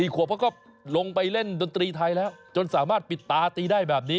ขวบเขาก็ลงไปเล่นดนตรีไทยแล้วจนสามารถปิดตาตีได้แบบนี้